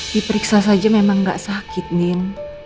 diperiksa saja memang nggak sakit min